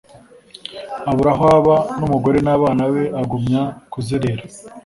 abura aho aba n'umugore n'abana be; agumya kuzerera.